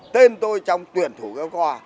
tên tôi trong tuyển thủ kéo co